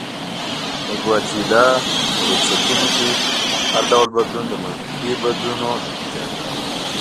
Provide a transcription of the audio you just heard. د ګواتیلا په بنسټونو کې هر ډول بدلون د محیطي بدلونونو نتیجه وه.